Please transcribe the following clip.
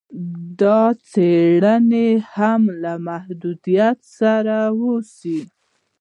دا څېړني هم له محدویت سره وسوې